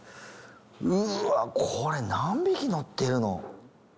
うわこれ何匹のってるの？